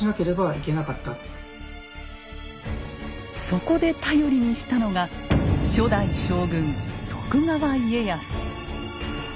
そこで頼りにしたのが初代将軍徳川家康。